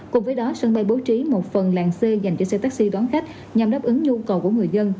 cùng với đó sân bay bố trí một phần làng c dành cho xe taxi đón khách nhằm đáp ứng nhu cầu của người dân